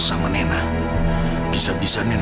saya membersihkan diri